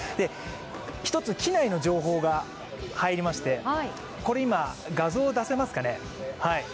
１つ、機内の情報が入りまして、今、画像を出せますか。